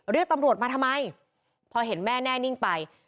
เรียกตำรวจมาทำไมพอเห็นแม่แน่นิ่งไป